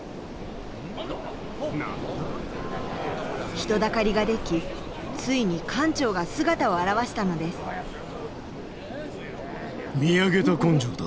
人だかりができついに艦長が姿を現したのです見上げた根性だ。